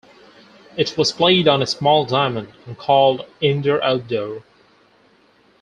It was played on a small diamond and called indoor-outdoor.